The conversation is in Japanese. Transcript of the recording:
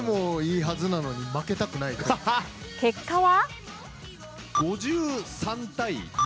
結果は？